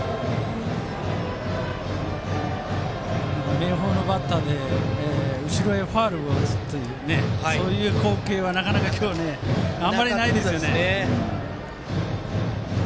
明豊のバッターで後ろへファウルを打つというそういう光景はなかなか今日あまりないですよね。